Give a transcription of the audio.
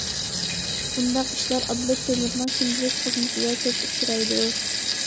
بۇنداق ئىشلار ئابلەت تۆمۈرنىڭ كۈندىلىك خىزمىتىدە كۆپ ئۇچرايدۇ.